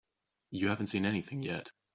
You haven't seen anything yet.